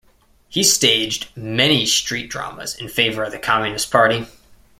He staged many street dramas in favour of the Communist Party.